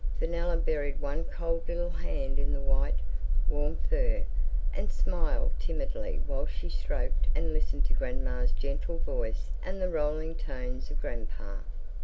Fenella buried one cold little hand in the white, warm fur, and smiled timidly while she stroked and listened to grandma's gentle voice and the rolling tones of grandpa.